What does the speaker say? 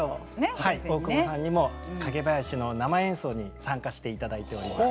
はい大久保さんにも蔭囃子の生演奏に参加していただいております。